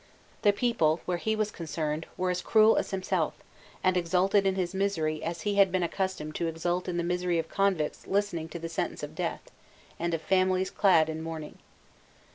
The people, where he was concerned, were as cruel as himself, and exulted in his misery as he had been accustomed to exult in the misery of convicts listening to the sentence of death, and of families clad in mourning.